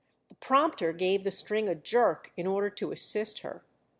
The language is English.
The prompter gave the string a jerk in order to assist her.